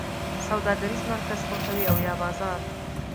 سوداګریز مرکز خوښوی او یا بازار؟